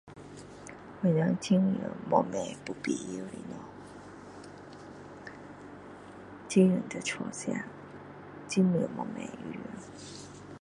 我们尽量不买不必要的东西尽量在家吃尽量不买衣服